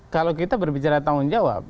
kalau kita berbicara tanggung jawab